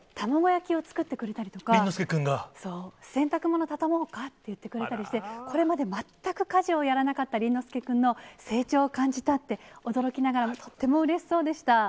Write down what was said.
洗濯物畳もうかって言ってくれたりして、これまで全く家事をやらなかった倫之亮君の成長を感じたって、驚きながら、とってもうれしそうでした。